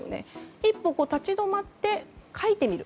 一歩立ち止まって書いてみる。